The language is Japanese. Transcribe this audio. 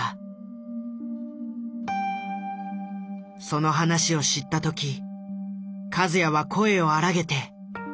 その話を知った時和也は声を荒げて反対した。